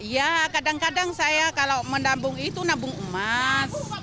ya kadang kadang saya kalau menabung itu nabung emas